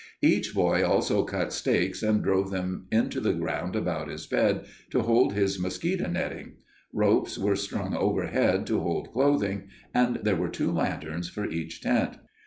Each boy also cut stakes and drove them into the ground about his bed to hold his mosquito netting. Ropes were strung overhead to hold clothing, and there were two lanterns for each tent.